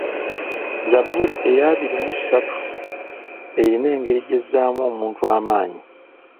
Zzabbuli eya abiri mu ssatu erina engeri gy'ezzaamu omuntu amaanyi.